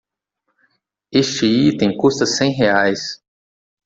Este item custa cem reais.